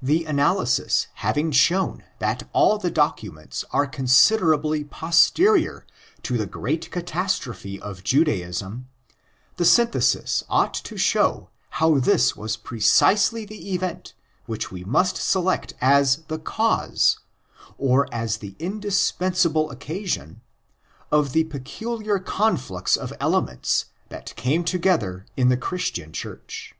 The analysis having shown that all the documents are considerably posterior to the great catastrophe of Judaism, the synthesis ought to show how this was precisely the event which we must select as the cause—or as the indispensable occasion—of the peculiar conflux of elements that came together in the Christian Church.